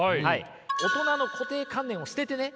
大人の固定観念を捨ててね